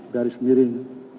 garis miring dua ribu dua puluh